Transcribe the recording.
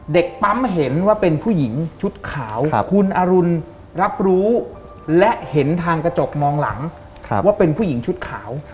เด็กปั๊มเห็นว่าเป็นผู้หญิงชุดขาวคุณอรุณรับรู้และเห็นทางกระจกมองหลังว่าเป็นผู้หญิงชุดขาว